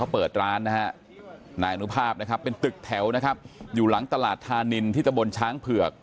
เปิดร้านนานุภาพเป็นตึกแถวอยู่หลังตลาดธานินที่ตะบลช้างเผือก